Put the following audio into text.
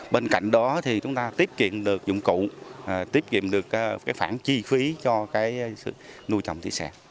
bên cạnh đó thì chúng ta tiếp kiệm được dụng cụ tiếp kiệm được cái phản chi phí cho cái nuôi trồng tỉ xe